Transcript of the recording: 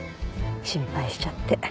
心配しちゃって。